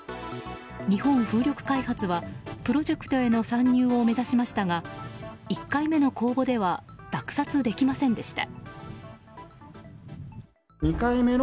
日本風力開発はプロジェクトへの参入を目指しましたが１回目の公募では落札できませんでした。